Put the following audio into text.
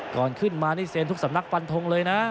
ก่อนขึ้นมานี่เซ็นทุกสำนักฟันทงเลยนะ